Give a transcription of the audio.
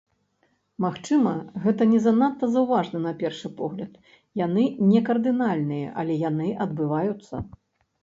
Магчыма, гэта не надта заўважна на першы погляд, яны не кардынальныя, але яны адбываюцца.